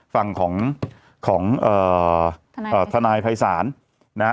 ฝั่งของของทนายภัยศาลนะฮะ